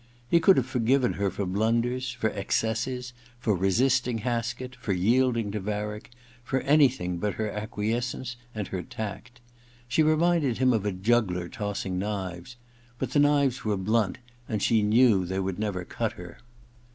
He could have forgiven her for blunders, for excesses ; for resisting Haskett, for yielding to Varick ; for anything but her acquiescence and her tact. She reminded him of a juggler tossing knives ; but the knives were blunt and she knew they would never cut her.